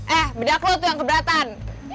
eh bedak lo tuh yang keberatan